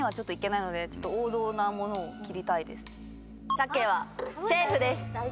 鮭はセーフです。